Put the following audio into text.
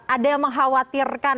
ada yang mengkhawatirkan